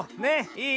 いい？